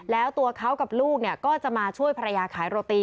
แล้วตัวเขากับลูกก็จะมาช่วยภรรยาขายโรตี